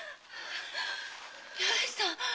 八重さん！